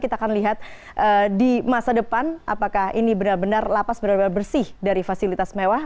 kita akan lihat di masa depan apakah ini benar benar lapas benar benar bersih dari fasilitas mewah